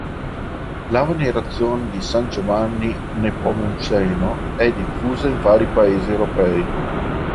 La venerazione di San Giovanni Nepomuceno è diffusa in vari paesi europei.